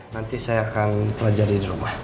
nanti saya akan pelajari di rumah